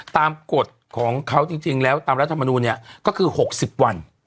ตามกฎของเขาจริงจริงแล้วตามรัฐมนูนเนี้ยก็คือหกสิบวัน